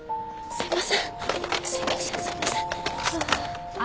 すいません。